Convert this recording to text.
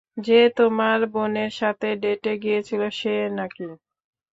যে তোমার বোনের সাথে ডেটে গিয়েছিল সে নাকি?